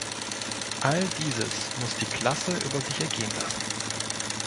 All dieses muss die Klasse über sich ergehen lassen.